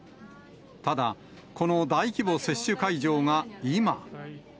ただ、この大規模接種会場が今。